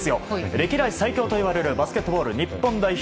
歴代最強と言われるバスケットボール日本代表。